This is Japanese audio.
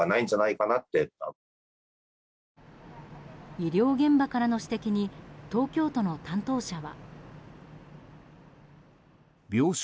医療現場からの指摘に東京都の担当者は。